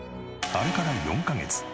あれから４カ月。